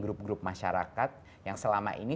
grup grup masyarakat yang selama ini